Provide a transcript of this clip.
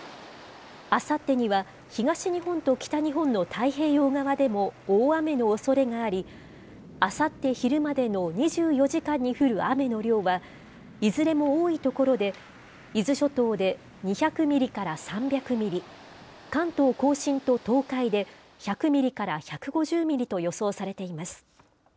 あさってには東日本と北日本の太平洋側でも大雨のおそれがあり、あさって昼までの２４時間に降る雨の量は、いずれも多い所で、伊豆諸島で２００ミリから３００ミリ、関東甲信と東海で１００ミリから１５０ミリと予想されています。